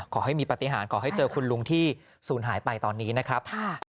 ขอให้มีปฏิหารขอให้เจอคุณลุงที่ศูนย์หายไปตอนนี้นะครับ